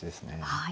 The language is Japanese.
はい。